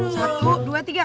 satu dua tiga